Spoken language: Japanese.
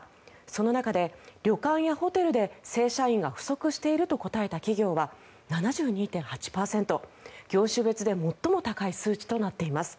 その中で旅館やホテルで正社員が不足していると答えた企業は７２．８％業種別で最も高い数値となっています。